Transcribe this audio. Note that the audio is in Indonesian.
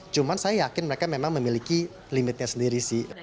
cuma saya yakin mereka memang memiliki limitnya sendiri sih